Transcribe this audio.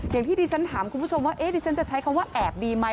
อย่างที่ดิฉันถามคุณผู้ชมว่าดิฉันจะใช้คำว่าแอบดีไหม